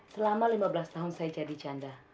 selama lima belas tahun saya jadi canda